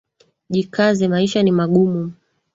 Jikaze maisha ni magumu